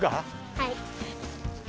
はい。